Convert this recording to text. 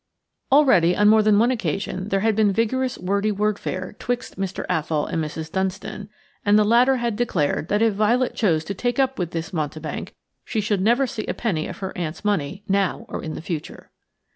Already, on more than one occasion, there had been vigorous wordy warfare 'twixt Mr. Athol and Mrs. Dunstan, and the latter had declared that if Violet chose to take up with this mountebank, she should never see a penny of her aunt's money now or in the future.